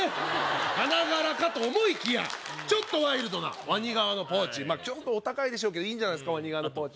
花柄かと思いきやちょっとワイルドなワニ革のポーチちょっとお高いでしょうけどいいんじゃないですかワニ革のポーチ